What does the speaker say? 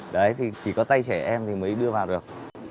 đấy thì chỉ có tay trẻ em thì mới đưa vào được